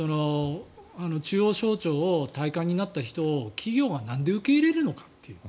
中央省庁を退官になった人を企業がなんで受け入れるのかっていう。